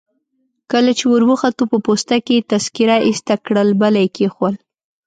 کله چي وروختو په پوسته کي يې تذکیره ایسته کړل، بله يي کښېښول.